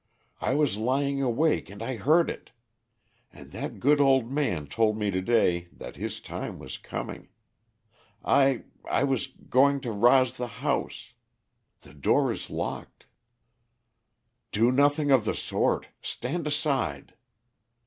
"I was lying awake and I heard it. And that good old man told me to day that his time was coming. I I was going to rouse the house. The door is locked." "Do nothing of the sort. Stand aside."